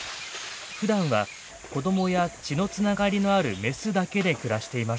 ふだんは子供や血のつながりのあるメスだけで暮らしています。